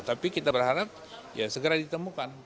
tapi kita berharap ya segera ditemukan